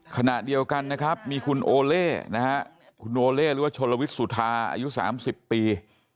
ขณะเดียวกันนะครับมีคุณโอเล่นะฮะคุณโอเล่หรือว่าชนลวิทย์สุธาอายุ๓๐ปี